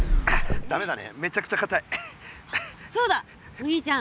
お兄ちゃん。